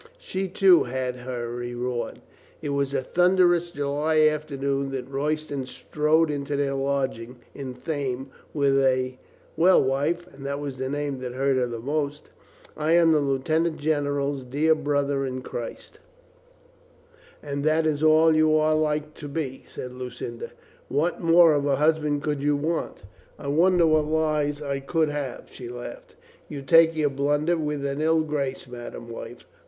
She, too, had her reward. It was on a thunderous July afternoon that Roy ston strode into their lodging in Thame, with a "Well, wife," (that was the name that hurt her most) "I am the lieutenant general's dear brother in Christ." LUCINDA AGAIN AN INSPIRATION 331 "And that is all you are like to be," said Lu cinda. "What more of a husband could you want?" "I wonder what less I could have," she laughed. "You take your blunder with an ill grace, madame wife."